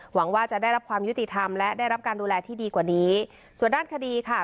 หวังว่าจะได้รับความยุติธรรมและได้รับการดูแลที่ดีกว่านี้ส่วนด้านคดีค่ะ